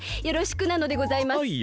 よろしくなのでございます。